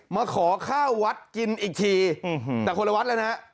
มาขอข้าววัดกินอีกทีแต่คนละวัดแล้วนะ